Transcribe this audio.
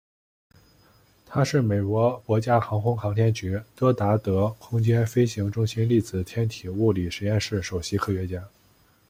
他是美国国家航空航天局戈达德空间飞行中心粒子天体物理实验室首席科学家。